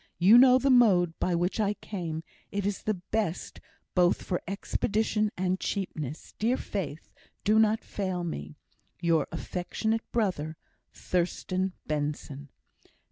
You know the mode by which I came; it is the best for expedition and cheapness. Dear Faith, do not fail me. Your affectionate brother, THURSTAN BENSON.